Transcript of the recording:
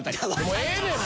もうええねん